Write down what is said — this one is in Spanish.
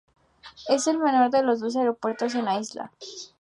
Es el menor de los dos aeropuertos en la isla.